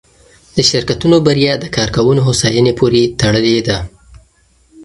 د شرکتونو بریا د کارکوونکو هوساینې پورې تړلې ده.